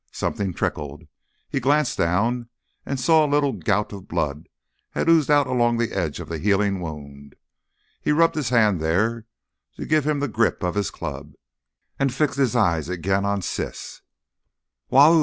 Something trickled. He glanced down and saw a little gout of blood had oozed out along the edge of the healing wound. He rubbed his hand there to give him the grip of his club, and fixed his eyes again on Siss.